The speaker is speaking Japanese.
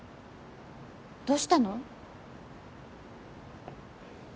どうしたの？